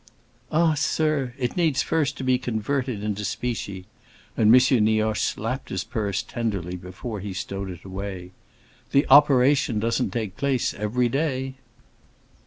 "Ah, sir, it needs first to be converted into specie!" and M. Nioche slapped his purse tenderly before he stowed it away. "The operation doesn't take place every day."